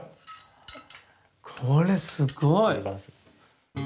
これすごい。